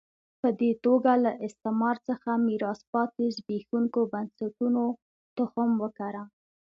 په دې توګه له استعمار څخه میراث پاتې زبېښونکو بنسټونو تخم وکره.